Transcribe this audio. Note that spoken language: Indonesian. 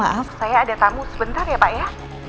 maksud saya ada tamu sebentar ya pak ya